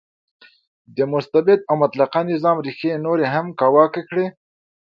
د مستبد او مطلقه نظام ریښې نورې هم کاواکه کړې.